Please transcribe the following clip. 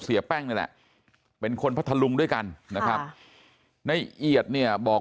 เสียแป้งนี่แหละเป็นคนพัทธลุงด้วยกันนะครับในเอียดเนี่ยบอก